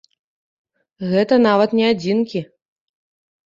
Гэта нават не адзінкі.